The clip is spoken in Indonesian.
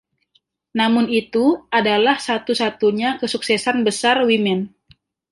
Namun itu adalah satu-satunya kesuksesan besar Wyman.